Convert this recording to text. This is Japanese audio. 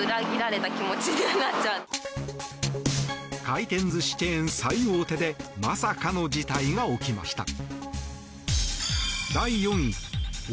回転寿司チェーン最大手でまさかの事態が起きました。